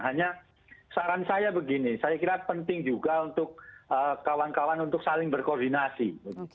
hanya saran saya begini saya kira penting juga untuk kawan kawan untuk saling berkoordinasi